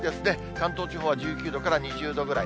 関東地方は１９度から２０度ぐらい。